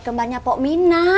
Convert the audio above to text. nama baik baiknya pak minah